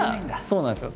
そうなんですよ。